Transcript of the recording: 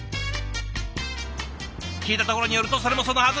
聞いたところによるとそれもそのはず。